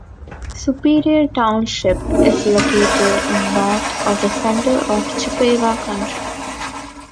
Superior Township is located in north of the center of Chippewa County.